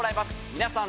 皆さん